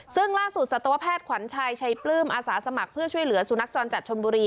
ซึ่งล่าสุดสัตวแพทย์ขวัญชัยชัยปลื้มอาสาสมัครเพื่อช่วยเหลือสุนัขจรจัดชนบุรี